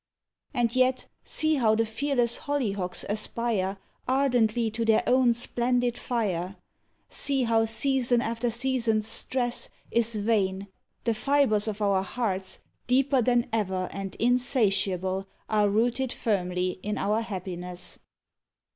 And yet, see how the fearless hollyhocks aspire Ardently to their own splendid fire! See how season after season's stress Is vain the fibres of our hearts Deeper than ever and insatiable, Are rooted firmly in our happiness.